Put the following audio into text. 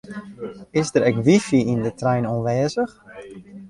Is der ek wifi yn de trein oanwêzich?